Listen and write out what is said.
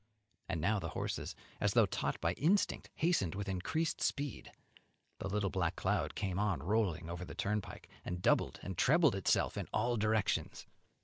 And now the horses, as though taught by instinct, hastened with increased speed. The little black cloud came on rolling over the turnpike, and doubled and trebled itself in all directions.